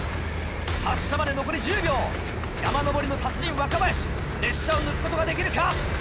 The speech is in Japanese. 発車まで残り１０秒山登りの達人若林列車を抜くことができるか？